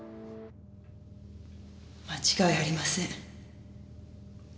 間違いありません。